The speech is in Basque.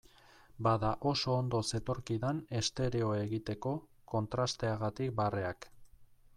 Bada oso ondo zetorkidan estereo egiteko, kontrasteagatik barreak.